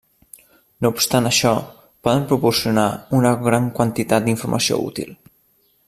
No obstant això, poden proporcionar una gran quantitat d'informació útil.